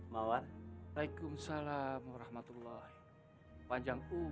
waalaikumsalam warahmatullah panjang umur